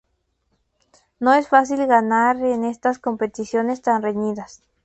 No es fácil ganar en estas competiciones tan reñidas.